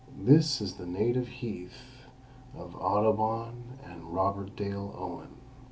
This is the native heath of Audubon and Robert Dale Owen.